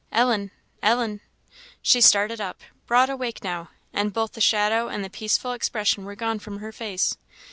"Ellen! Ellen!" She started up broad awake now; and both the shadow and the peaceful expression were gone from her face.